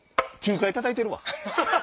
９回たたいてるわ。